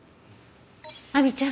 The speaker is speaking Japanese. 亜美ちゃん